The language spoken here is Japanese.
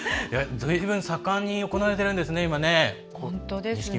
ずいぶん、盛んに行われているんですね、錦鯉。